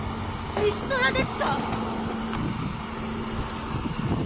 リストラですか！？